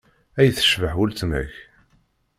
Ay tecbeḥ weltma-k!